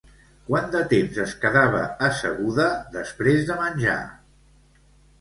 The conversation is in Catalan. Quant de temps es quedava asseguda després de menjar?